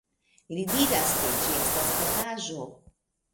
Li diras, ke ĝi estas kotaĵo!